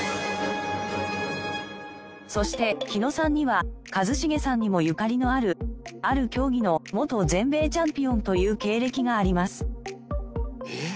そして日野さんには一茂さんにもゆかりのあるある競技の元全米チャンピオンという経歴があります。